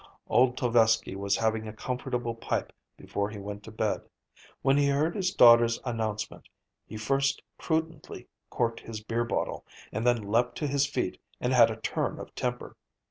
Old Tovesky was having a comfortable pipe before he went to bed. When he heard his daughter's announcement, he first prudently corked his beer bottle and then leaped to his feet and had a turn of temper.